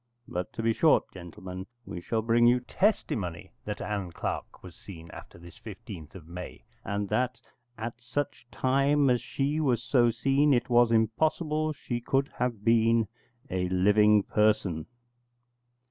But to be short, gentlemen, we shall bring you testimony that Ann Clark was seen after this 15th of May, and that, at such time as she was so seen, it was impossible she could have been a living person.